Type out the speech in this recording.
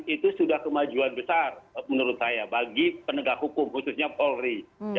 itu sudah kemajuan besar menurut saya bagi penegak hukum khususnya polri